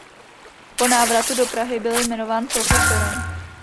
Po návratu do Prahy byl jmenován profesorem.